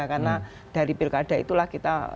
karena dari pilkada itulah kita